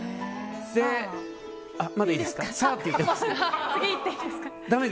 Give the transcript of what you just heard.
まだいいですか？